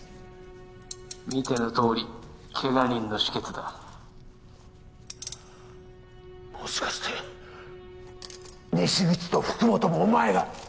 見てのとおりけが人の止血だもしかして西口と福本もお前が！？